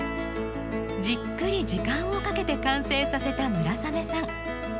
じっくり時間をかけて完成させた村雨さん。